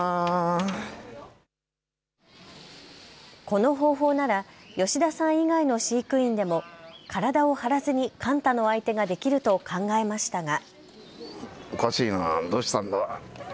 この方法なら、吉田さん以外の飼育員でも体を張らずにカンタの相手ができると考えましたが。